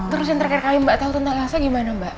terus yang terakhir kali mbak tahu tentang rasa gimana mbak